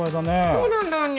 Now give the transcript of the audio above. そうなんだにゅ。